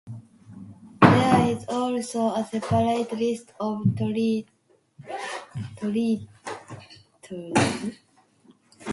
There is also a separate List of treaties.